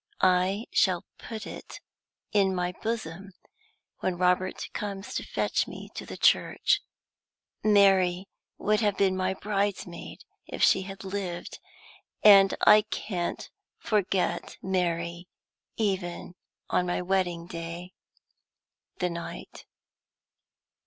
I shall put it in my bosom when Robert comes to fetch me to the church. Mary would have been my bridesmaid if she had lived; and I can't forget Mary, even on my wedding day.... THE NIGHT.